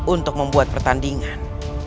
untuk membuat pertandingan